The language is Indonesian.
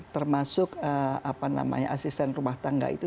termasuk apa namanya asisten rumah tangga itu